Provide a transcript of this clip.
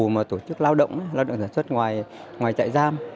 mà tổ chức lao động lao động sản xuất ngoài ngoài trại giam